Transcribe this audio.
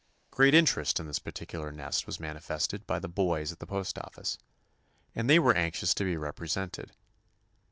Great interest in this par ticular nest was manifested by ''the 164 TOMMY POSTOFFICE boys" at the postoffice, and they were anxious to be represented.